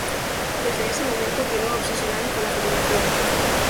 Desde ese momento, quedó obsesionado con la fotografía.